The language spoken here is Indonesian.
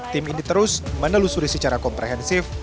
tim ini terus menelusuri secara komprehensif